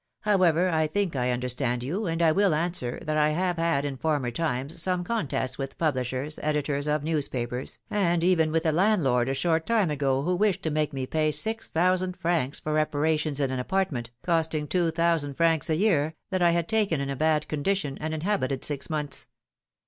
However, I think I understand you, and I will answer that I have had in former times some contests with publishers, editors of newspapers, and even with a land lord a short time ago, who wished to make me pay six thousand francs for reparations in an apartment, costing two thousand francs a year, that I had taken in a bad condition and inhabited six months.